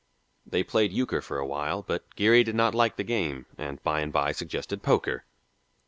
They played euchre for a while, but Geary did not like the game, and by and by suggested poker.